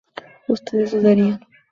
ustedes dudarían